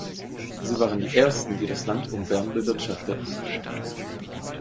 Sie waren die ersten, die das Land um Bern bewirtschafteten.